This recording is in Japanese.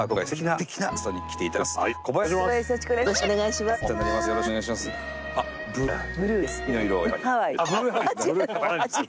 よろしくお願いします。